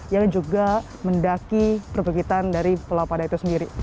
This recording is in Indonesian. yang juga mendaki perbegitan dari pulau padar itu sendiri